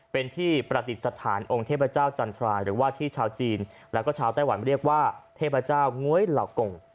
เป็นที่ประดิษฐานองค์เทพเจ้าจันทราหรือว่าที่ชาวจีนแล้วก็ชาวไต้หวันเรียกว่าเทพเจ้าง้วยเหล่ากง